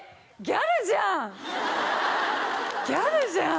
ギャルじゃん！